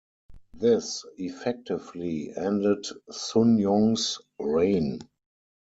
This effectively ended Sunjong's reign.